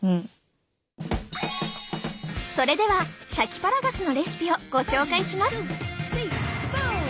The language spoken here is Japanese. それではシャキパラガスのレシピをご紹介します。